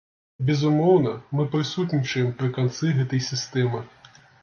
Безумоўна, мы прысутнічаем пры канцы гэтай сістэмы.